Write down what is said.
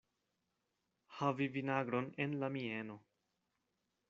Havi vinagron en la mieno.